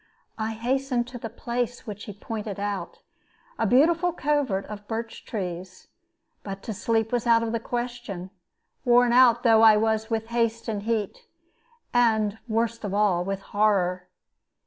I hastened to the place which he pointed out a beautiful covert of birch trees but to sleep was out of the question, worn out though I was with haste and heat, and (worst of all) with horror.